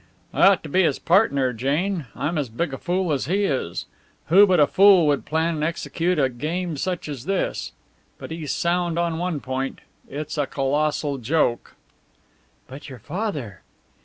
"I ought to be his partner, Jane. I'm as big a fool as he is. Who but a fool would plan and execute a game such as this? But he's sound on one point. It's a colossal joke." "But your father?"